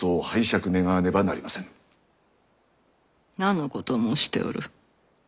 何のことを申しておる？